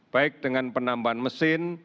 baik dengan penambahan mesin